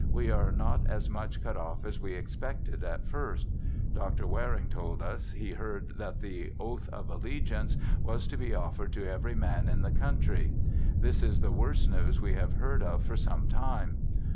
We are not as much cut off as we expected at first. Dr. Waring told us he heard that the oath of allegiance was to be offered to every man in the country. This is the worst news we have heard of for some time.